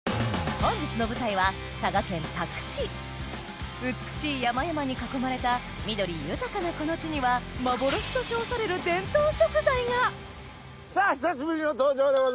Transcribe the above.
本日の舞台は美しい山々に囲まれた緑豊かなこの地にはさぁ久しぶりの登場でございます。